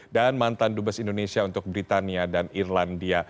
dan mantan dubes indonesia untuk britania dan irlandia